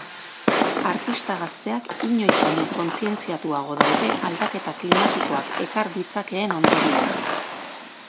Artista gazteak inoiz baino kontzentziatuago daude aldaketa klimatikoak ekar ditzakeen ondorioekin.